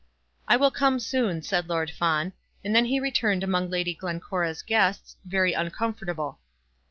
"I will come soon," said Lord Fawn, and then he returned among Lady Glencora's guests, very uncomfortable.